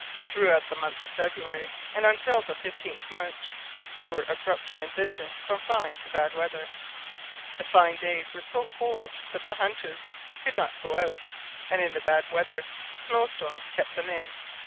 Throughout the month of February, and until the 15th March, there were abrupt transitions from fine to bad weather. The fine days were so cold that the hunters could not go out; and in the bad weather snowstorms kept them in.